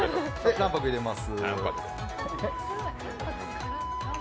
卵白、入れます。